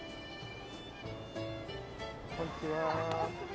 こんにちは。